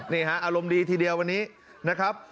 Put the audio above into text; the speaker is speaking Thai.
นี่ฮะอารมณ์ดีทีเดียววันนี้นะครับ